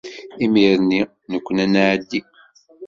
Imir-nni nekwni ad nɛeddi.